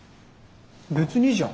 別にいいじゃん。